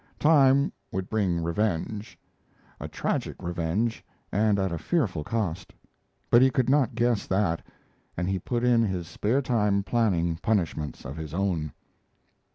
Time would bring revenge a tragic revenge and at a fearful cost; but he could not guess that, and he put in his spare time planning punishments of his own.